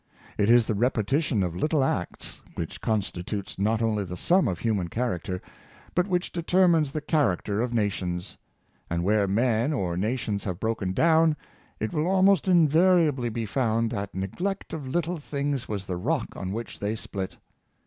It is the repetition of little acts which constitutes not only the sum of human character, but which determ ines the character of nations. And where men or na tions have broken down, it will almost invariably be found that neglect of little things was the rock on which they split.